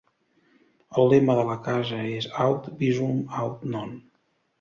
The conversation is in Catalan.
El lema de la casa és Aut Visum Aut Non!